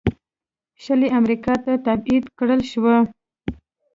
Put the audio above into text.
شلي امریکا ته تبعید کړل شول.